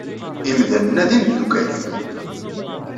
Imdanen-a d imeddukal-iw.